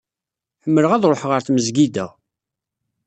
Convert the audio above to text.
Ḥemmleɣ ad ruḥeɣ ɣer tmezgida.